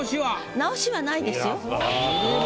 直しはないですよ。